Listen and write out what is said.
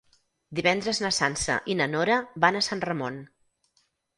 Divendres na Sança i na Nora van a Sant Ramon.